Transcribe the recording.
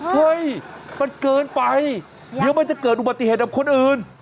เฮ้ยมันเกินไปเดี๋ยวมันจะเกิดอุบัติเหตุกับคนอื่น